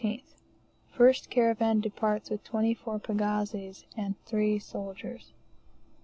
First caravan departs with twenty four pagazis and three soldiers.